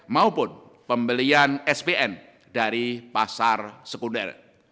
maupun pembelian spn dari pasar sekunder